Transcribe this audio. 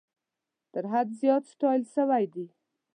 تر حد زیات ستایل سوي دي.